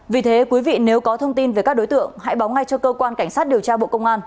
vì thế quý vị nếu có thông tin về các đối tượng hãy báo ngay cho cơ quan cảnh sát điều tra bộ công an